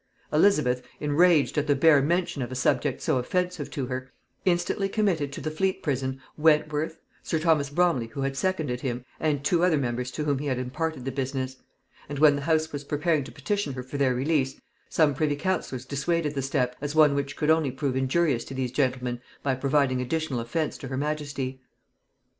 Elizabeth, enraged at the bare mention of a subject so offensive to her, instantly committed to the Fleet prison Wentworth, sir Thomas Bromley who had seconded him, and two other members to whom he had imparted the business; and when the house was preparing to petition her for their release, some privy councillors dissuaded the step, as one which could only prove injurious to these gentlemen by giving additional offence to her majesty.